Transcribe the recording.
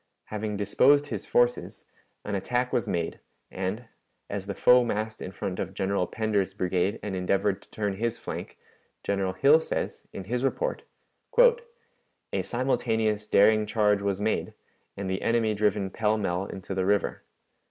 Having disposed his forces, an attack was made, and, as the foe massed in front of General Pender's brigade and endeavored to turn his flank, General Hill says, in his report: "A simultaneous daring charge was made, and the enemy driven pell mell into the river.